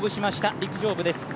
陸上部です。